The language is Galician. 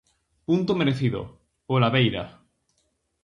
Punto merecido, pola beira.